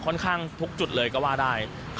ค่อนข้างทุกจุดเลยก็ว่าได้